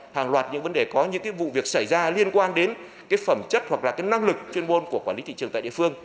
hàng loạt những vấn đề có những vụ việc xảy ra liên quan đến phẩm chất hoặc là năng lực chuyên môn của quản lý thị trường tại địa phương